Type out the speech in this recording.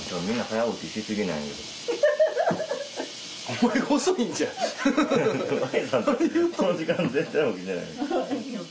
この時間全然起きてない。